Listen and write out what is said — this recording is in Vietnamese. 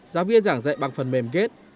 giáo viên giảng dạy bằng phần mềm gate